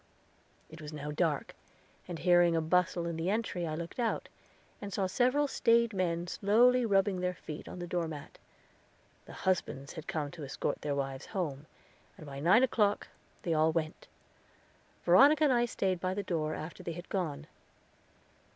It was now dark, and hearing a bustle in the entry I looked out, and saw several staid men slowly rubbing their feet on the door mat; the husbands had come to escort their wives home, and by nine o'clock they all went. Veronica and I stayed by the door after they had gone.